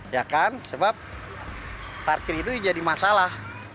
ya kan sebab parkir itu jadi masalah